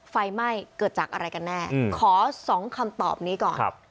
ไฟไหม้เกิดจากอะไรกันแน่ขอสองคำตอบนี้ก่อน